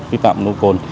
vi phạm nồng độ côn